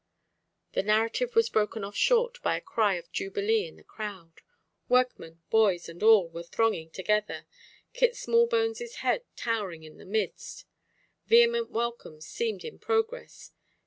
'" The narrative was broken off short by a cry of jubilee in the court. Workmen, boys, and all were thronging together, Kit Smallbones' head towering in the midst. Vehement welcomes seemed in progress.